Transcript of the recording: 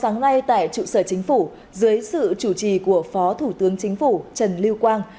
ngay tại trụ sở chính phủ dưới sự chủ trì của phó thủ tướng chính phủ trần lưu quang